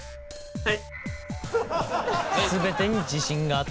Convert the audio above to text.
はい。